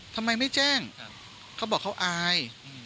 ทำไมไม่แจ้งเขาบอกเขาอาย